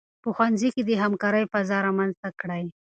په ښوونځي کې د همکارۍ فضا رامنځته کړئ.